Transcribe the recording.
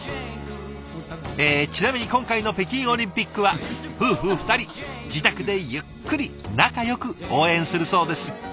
えちなみに今回の北京オリンピックは夫婦２人自宅でゆっくり仲よく応援するそうです。